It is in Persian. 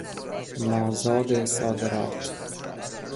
مازاد صادرات